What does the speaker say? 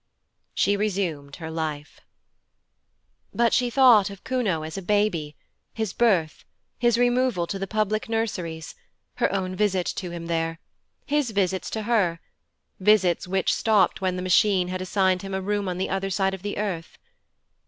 She resumed her life. But she thought of Kuno as a baby, his birth, his removal to the public nurseries, her own visit to him there, his visits to her visits which stopped when the Machine had assigned him a room on the other side of the earth.